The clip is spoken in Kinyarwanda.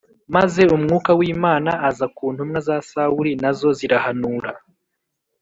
maze umwuka w’Imana aza ku ntumwa za Sawuli na zo zirahanura.